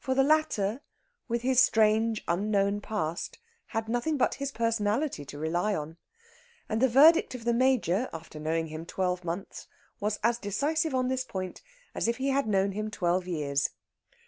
For the latter, with his strange unknown past, had nothing but his personality to rely on; and the verdict of the Major, after knowing him twelve months, was as decisive on this point as if he had known him twelve years.